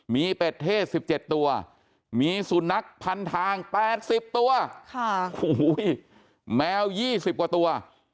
มีเป็ดเทศ๑๗ตัวมีสุนัขพันทาง๘๐ตัวแมว๒๐กว่าตัว